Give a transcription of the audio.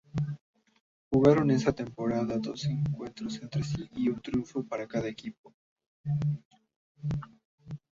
Jugaron esa temporada dos encuentros entre sí con un triunfo para cada equipo.